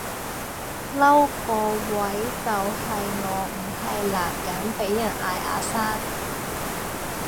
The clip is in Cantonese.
嬲個位就係我唔係男人被人嗌阿生